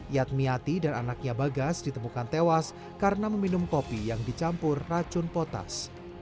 yatmiati dan anaknya bagas ditemukan tewas karena meminum kopi yang dicampur racun potas